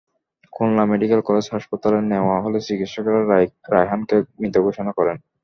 Khulna medical college হাসপাতালে নেওয়া হলে চিকিৎসকেরা রায়হানকে মৃত ঘোষণা করেন।